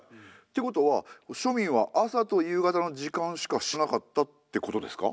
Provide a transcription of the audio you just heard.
てことは庶民は朝と夕方の時間しか知らなかったってことですか？